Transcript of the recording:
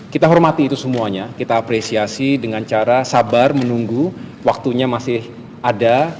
kita hormati itu semuanya kita apresiasi dengan cara sabar menunggu waktunya masih ada